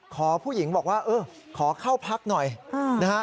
ขอผู้หญิงบอกว่าเออขอเข้าพักหน่อยนะฮะ